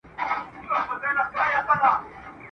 لکه چي بیا یې تیاره په خوا ده !.